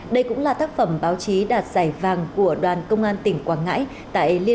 đây cũng là tác phẩm báo chí đạt giải vàng của đoàn công an tỉnh quảng ngãi